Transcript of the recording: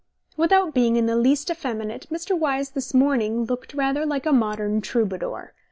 ... Without being in the least effeminate, Mr. Wyse this morning looked rather like a modern Troubadour.